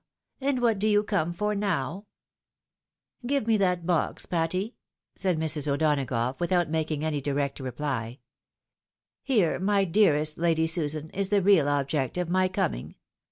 and what do you come for now ?"" Give me that box, Patty !" said Mrs. O'Donagough, with out making any direct reply. '' Here, my dearest Lady Susan, is the real object of my coming.